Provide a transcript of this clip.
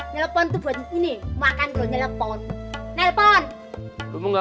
nyelepon tuh buat ini makan lu nyelepon